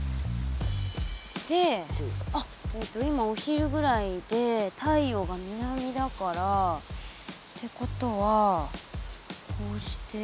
であっ今お昼ぐらいで太陽が南だから。ってことはこうして。